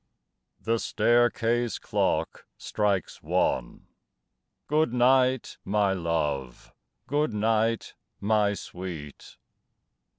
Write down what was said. The staircase clock strikes one. Good night, my love! good night, my sweet!